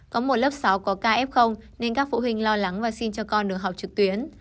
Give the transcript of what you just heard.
có một lớp sáu có ca f nên các phụ huynh lo lắng và xin cho con được học trực tuyến